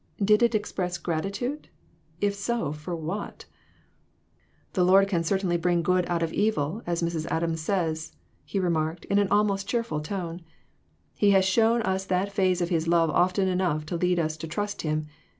Did it express grati tude ? If so, for what ?" The Lord can certainly bring good out of evil, as Mrs. Adams says," he remarked, in an almost cheerful tone ;" He has shown us that phase of His love often enough to lead us to trust Him.